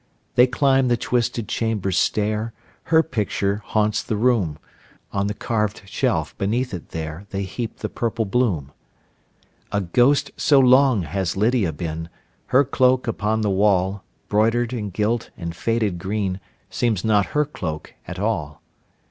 They climb the twisted chamber stair; Her picture haunts the room; On the carved shelf beneath it there, They heap the purple bloom. A ghost so long has Lydia been, Her cloak upon the wall, Broidered, and gilt, and faded green, Seems not her cloak at all.